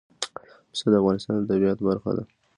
پسه د افغانستان د طبیعت برخه ده.